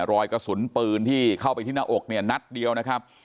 รอยกระสุนปืนที่เข้าไปที่หน้าอกเนี่ยนัดเดียวนะครับ